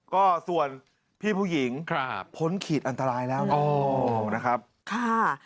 ก็ส่วนพี่ผู้หญิงครับพ้นขีดอันตรายแล้วนะครับค่ะ